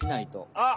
あっ！